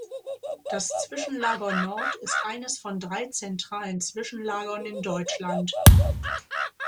Das Zwischenlager Nord ist eines von drei zentralen Zwischenlagern in Deutschland.